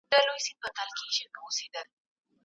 عزل په پټ ډول د اولادونو وژنه ده.